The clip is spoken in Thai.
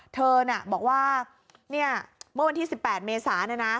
เธอน่ะบอกว่าเมื่อวันที่๑๘เมษา